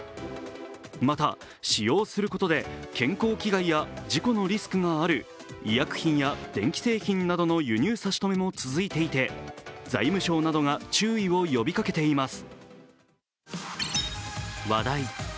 また使用することで、健康危害や事故のリスクがある医薬品や電気製品などの輸入差し止めも続いていて、財務省などが注意を呼びかけています。